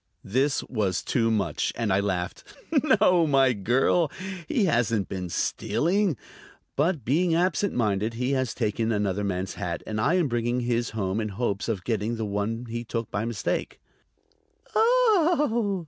This was too much, and I laughed. "No, my girl; he hasn't been stealing. But, being absent minded, he has taken another man's hat, and I am bringing his home in hopes of getting the one he took by mistake." "Oh!"